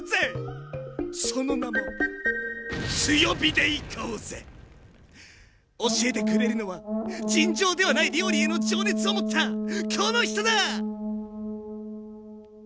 その名も教えてくれるのは尋常ではない料理への情熱を持ったこの人だ！